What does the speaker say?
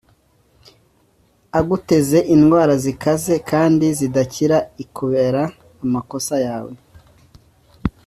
aguteze indwara zikaze kandi zidakira lkubera amakosa yawe